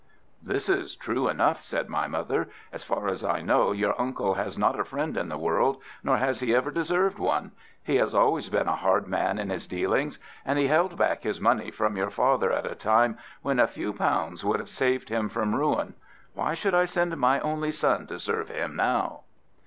"That is true enough," said my mother. "As far as I know, your uncle has not a friend in the world, nor has he ever deserved one. He has always been a hard man in his dealings, and he held back his money from your father at a time when a few pounds would have saved him from ruin. Why should I send my only son to serve him now?"